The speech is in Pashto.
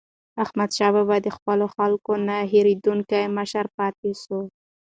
احمدشاه بابا د خپلو خلکو نه هېریدونکی مشر پاتې سو.